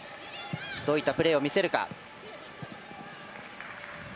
どういったプレーを見せるか。